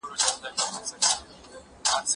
زه اوږده وخت اوبه پاکوم.